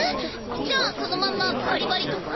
じゃあそのまんまバリバリとか？